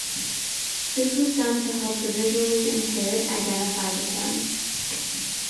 This was done to help the visually impaired identify the coin.